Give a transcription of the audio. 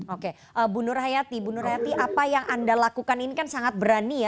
oke ibu nur hayatin apa yang anda lakukan ini kan sangat berani ya